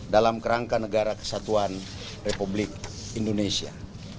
dalam kerangka negara kesatuan republik indonesia